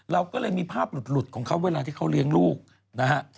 เราก็เลยมีภาพหลุดของเขาเวลาที่เขาเลี้ยงลูกนะฮะ